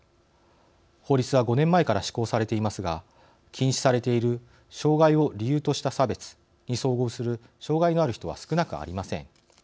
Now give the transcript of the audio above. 法律は５年前から施行されていますが禁止されている障害を理由とした差別に遭遇する障害のある人は少なくありません。